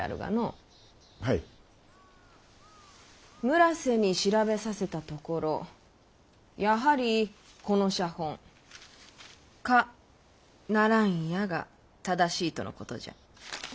村瀬に調べさせたところやはりこの写本「可ならんや」が正しいとのことじゃ。